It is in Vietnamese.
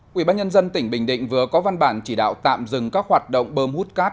quỹ bác nhân dân tỉnh bình định vừa có văn bản chỉ đạo tạm dừng các hoạt động bơm hút cát